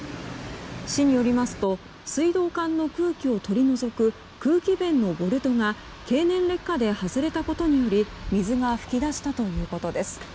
市によりますと水道管の空気を取り除く空気弁のボルトが経年劣化で外れたことにより水が噴き出したということです。